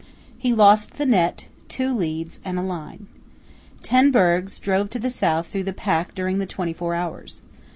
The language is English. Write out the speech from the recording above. He lost the net, two leads, and a line. Ten bergs drove to the south through the pack during the twenty four hours.